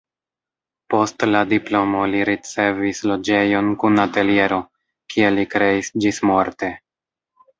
Post la diplomo li ricevis loĝejon kun ateliero, kie li kreis ĝismorte.